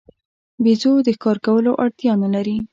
بیزو د ښکار کولو اړتیا نه لري.